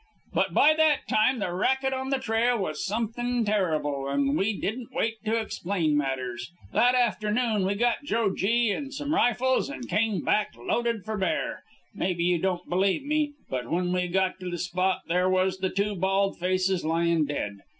"But by that time the racket on the trail was something terrible, and we didn't wait to explain matters. That afternoon we got Joe Gee and some rifles and came back loaded for bear. Mebbe you won't believe me, but when we got to the spot, there was the two bald faces lyin' dead.